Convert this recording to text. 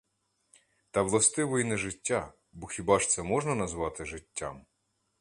Та властиво й не життя, бо хіба ж це можна назвати життям?